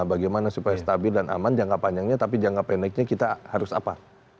bagaimana supaya stabil dan aman jangka panjangnya tapi jangka pendeknya kita harus apa